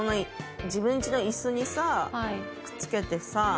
自分ちの椅子にさくっつけてさ